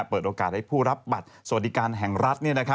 เปิดโอกาสให้ผู้รับบัตรสวัสดิการแห่งรัฐ